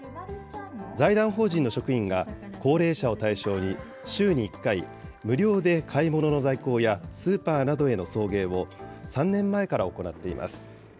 財団法人の職員が高齢者を対象に、週に１回、無料で買い物の代行や、スーパーなどへの送迎を、３年前から行っています。